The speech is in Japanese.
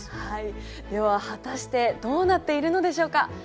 はいでは果たしてどうなっているのでしょうか？